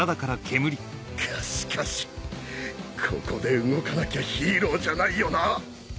がしかしここで動かなきゃヒーローじゃないよな！